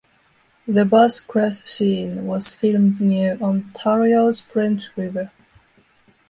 The bus crash scene was filmed near Ontario's French River.